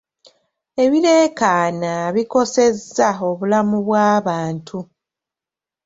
Ebireekaana bikosezza obulamu bw'abantu.